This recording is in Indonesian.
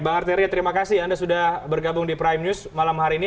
bang arteria terima kasih anda sudah bergabung di prime news malam hari ini